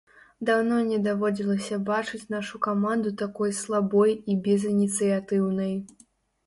Даўно не даводзілася бачыць нашу каманду такой слабой і безыніцыятыўнай.